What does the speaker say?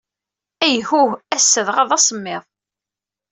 Ayhuh, ass-a dɣa d asemmiḍ.